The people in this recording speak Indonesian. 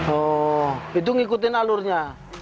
oh itu ngikutin alurnya